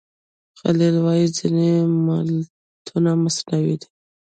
خلیل وايي ځینې متون مصنوعي دي.